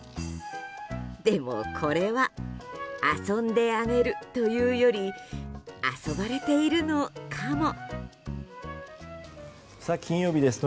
でも、これは遊んであげるというより遊ばれているのかも？